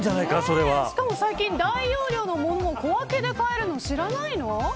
しかも最近、大容量のものを小分けで買えるの知らないの。